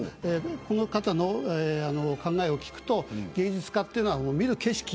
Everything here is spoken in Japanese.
この方の考えを聞くと芸術家というのは見る景色